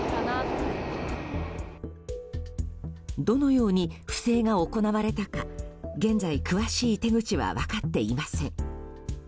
どのように不正が行われたか現在、詳しい手口は分かっていません。